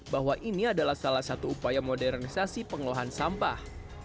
bahwa ini adalah salah satu upaya modernisasi pengelolaan sampah